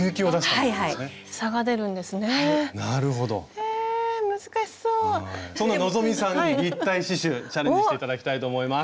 そんな希さんに立体刺しゅうチャレンジして頂きたいと思います。